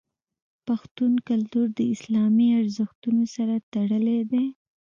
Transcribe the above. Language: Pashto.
پښتون کلتور د اسلامي ارزښتونو سره تړلی دی.